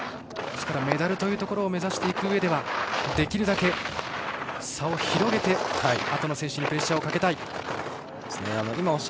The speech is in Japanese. メダルを目指していくうえではできるだけ差を広げてあとの選手にプレッシャーをかけたい。